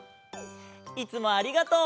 いつもありがとう！